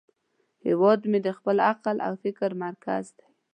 هیواد مې د خپل عقل او فکر مرکز دی